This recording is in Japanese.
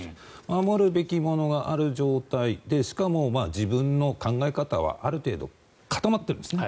守るべきものがある状態でしかも自分の考え方はある程度固まっているんですね。